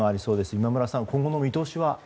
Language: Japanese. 今村さん、今後の見通しは？